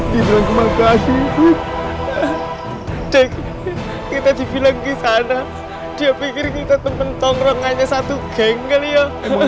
terima kasih kita dibilang kesana dia pikir kita temen tongrong hanya satu genggel ya